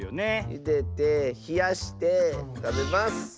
ゆでてひやしてたべます。